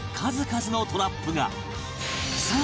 さあ